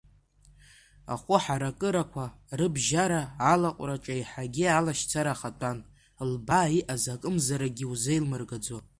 Ахәы ҳаракырақәа рыбжьара алаҟәраҿы еиҳагьы алашьцара ахатәан, лбаа иҟаз акымзаракгьы узеилмыргаӡо.